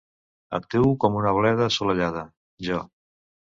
Actuo com una bleda assolellada, jo.